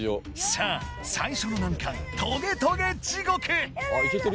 さあ最初の難関トゲトゲ地獄！